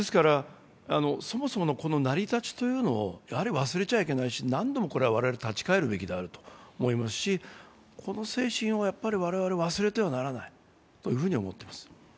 そもそもの成り立ちというのを忘れてはいけないし何度も我々、立ち返るべきだと思いますし、この精神を我々は忘れてはならないと思っています。